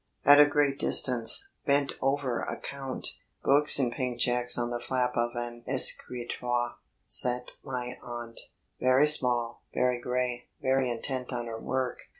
At a great distance, bent over account books and pink cheques on the flap of an escritoire, sat my aunt, very small, very grey, very intent on her work.